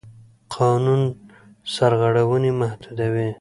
قانون سرغړونې محدودوي.